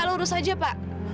kalau urus aja pak